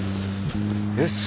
よし！